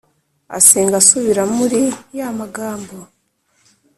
asenga asubira muri ya magambo